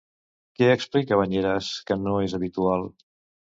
Què explica Bañeres que no és habitual?